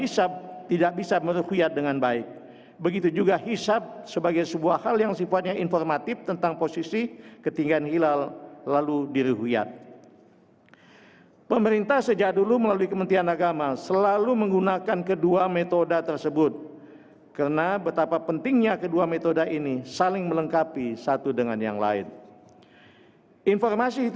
jadi kita harus mengikuti kemampuan umat islam